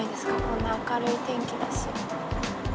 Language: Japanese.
こんな明るい天気だし。